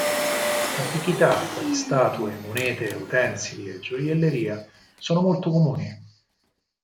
Antichità quali statue, monete, utensili e gioielleria sono molto comuni.